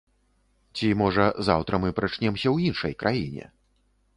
Ці, можа, заўтра мы прачнемся ў іншай краіне?